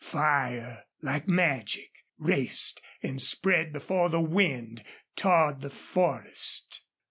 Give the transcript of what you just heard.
Fire, like magic, raced and spread before the wind toward the forest.